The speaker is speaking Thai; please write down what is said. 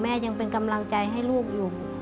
ยังเป็นกำลังใจให้ลูกอยู่